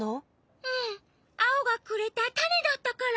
アオがくれたたねだったから。